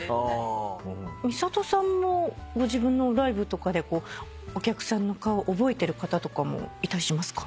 美里さんもご自分のライブとかでお客さんの顔覚えてる方とかもいたりしますか？